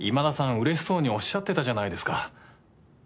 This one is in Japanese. うれしそうにおっしゃってたじゃないですか。